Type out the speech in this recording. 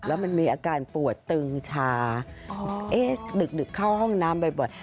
แล้วมันมีอาการปวดตึงชาเอ๊ะดึกเข้าห้องน้ำบ่อย